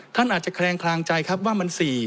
ท่านอาจจะแคลงคลางใจครับว่ามัน๔